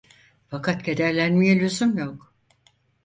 Fakat kederlenmeye lüzum yok.